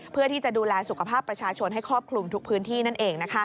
เพื่อที่จะดูแลสุขภาพประชาชนให้ครอบคลุมทุกพื้นที่นั่นเอง